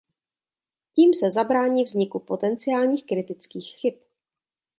Tím se zabrání vzniku potenciálních kritických chyb.